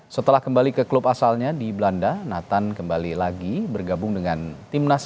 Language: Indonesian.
setelah kembali ke klub asalnya di belanda nathan kembali lagi bergabung dengan timnas